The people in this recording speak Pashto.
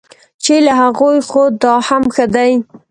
چې له هغوی خو دا هم ښه دی.